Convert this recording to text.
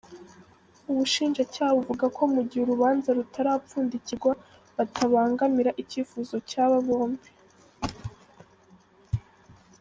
Ubushinjacyaha buvuga ko mu gihe urubanza rutarapfundikirwa batabangamira ikifuzo cy’aba bombi.